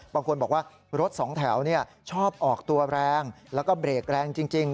บางคนบอกว่ารถสองแถวชอบออกตัวแรงแล้วก็เบรกแรงจริง